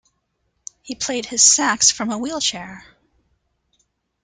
He played his sax from a wheelchair.